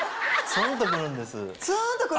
ツンとくるんですか？